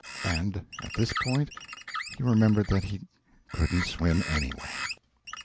And at this point he remembered that he couldn't swim anyway.